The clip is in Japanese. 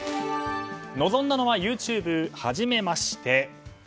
臨んだのはＹｏｕＴｕｂｅ「はじめまして。」。